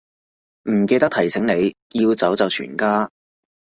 唔記得提醒你，要走就全家